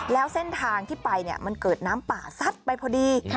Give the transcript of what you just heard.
แล้วเส้นทางที่ไปมันเกิดน้ำป่าซัดไปพอดี